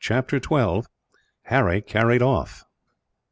Chapter 12: Harry Carried Off.